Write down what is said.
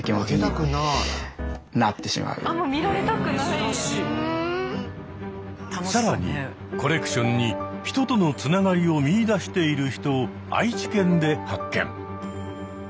やっぱり更にコレクションに人とのつながりを見いだしている人を愛知県で発見。